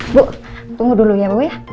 ibu tunggu dulu ya